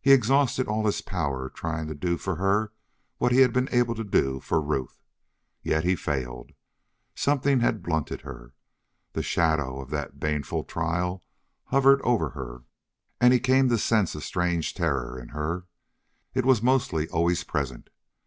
He exhausted all his powers trying to do for her what he had been able to do for Ruth. Yet he failed. Something had blunted her. The shadow of that baneful trial hovered over her, and he came to sense a strange terror in her. It was mostly always present.